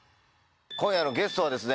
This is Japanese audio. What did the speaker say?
今夜のゲストはですね